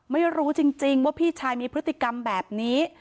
ไม่รู้จริงว่าพี่ชายมีพฤติกรรมแบบนี้